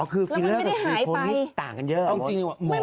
อ๋อคือฟิลเลอร์ฟิลคอนิตต่างกันเยอะหรือเปล่า